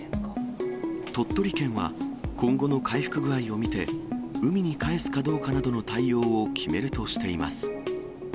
鳥取県は、今後の回復具合を見て、海に帰すかどうかなどの対応を決めるとしています。